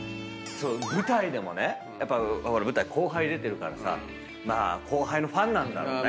舞台でもねやっぱ舞台後輩出てるからさまあ後輩のファンなんだろうね。